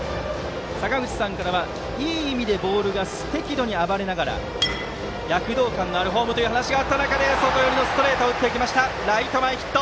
坂口さんからは、いい意味でボールが適度に暴れながら躍動感のあるフォームという話があった中で外寄りのストレートを打ちライト前ヒット！